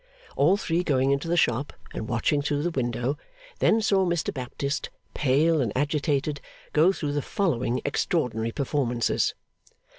All three going into the shop, and watching through the window, then saw Mr Baptist, pale and agitated, go through the following extraordinary performances.